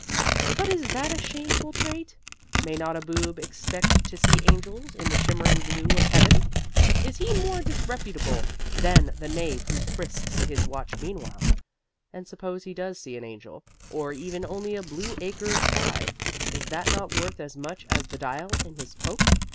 But is that a shameful trait? May not a Boob expect to see angels in the shimmering blue of heaven? Is he more disreputable than the knave who frisks his watch meanwhile? And suppose he does see an angel, or even only a blue acre of sky is that not worth as much as the dial in his poke?